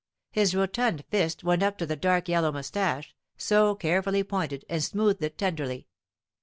His rotund fist went up to the dark yellow mustache, so carefully pointed, and smoothed it tenderly.